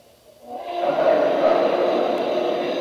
এমন সময় তাঁকে প্রশ্ন করা হল যে, মানব জাতির মধ্যে সর্বাধিক জ্ঞানী কে?